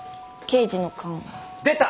刑事の勘。